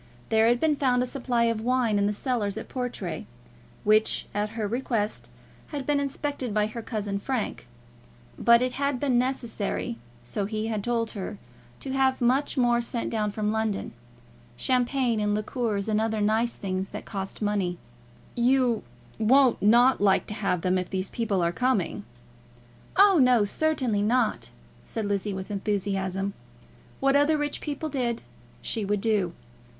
There had been found a supply of wine in the cellars at Portray, which at her request had been inspected by her cousin Frank; but it had been necessary, so he had told her, to have much more sent down from London, champagne, and liqueurs, and other nice things that cost money. "You won't like not to have them if these people are coming?" "Oh, no; certainly not," said Lizzie, with enthusiasm. What other rich people did, she would do.